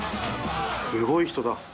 すごい人だ。